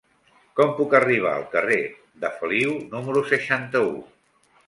Com puc arribar al carrer de Feliu número seixanta-u?